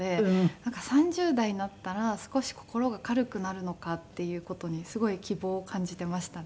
なんか３０代になったら少し心が軽くなるのかっていう事にすごい希望を感じていましたね。